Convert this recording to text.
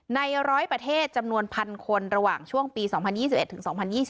ใน๑๐๐ประเทศจำนวน๑๐๐คนระหว่างช่วงปี๒๐๒๑ถึง๒๐๒๐